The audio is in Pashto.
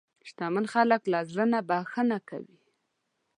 شتمن خلک له زړه نه بښنه کوي.